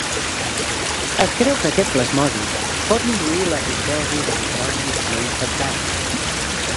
Es creu que aquest plasmodi pot induir l'apoptosi d'eritròcits no infectats.